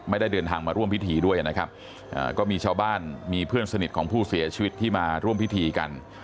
ไม่ได้เดินทางมาร่วมพิธีด้วยนะครับก็มีชาวบ้านมีเพื่อนสนิทของผู้เสียชีวิตที่มาร่วมพิธีกัน